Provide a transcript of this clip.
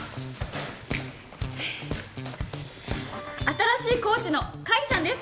新しいコーチの甲斐さんです！